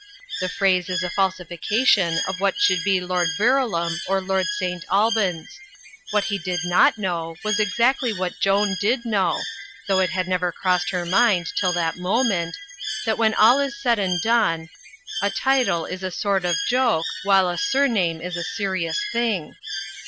The phrase is a falsification of what should be Lord Verulam or Lord St. Albans. What he did not know was exactly what Joan did kno^jv (though it had never crossed her mind till that mo ment) that when all is said and done, a title is a sort of joke, while a surname is a serious thing.